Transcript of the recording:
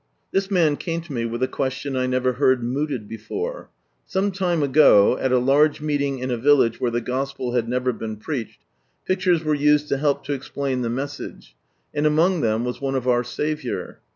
This man came to me with a question I never heard mooted before. Some lime ago, at a large meeting in a village where the Gospel had never been preached, pictures were used to help to explain the message, and among them was one of our Saviour.